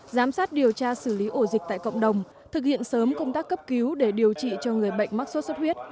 giám sát điều tra xử lý ổ dịch tại cộng đồng thực hiện sớm công tác cấp cứu để điều trị cho người bệnh mắc sốt xuất huyết